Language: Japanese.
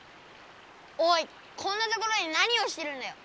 おいこんなところで何をしてるんだよ。